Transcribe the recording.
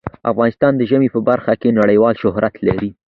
افغانستان د ژمی په برخه کې نړیوال شهرت لري.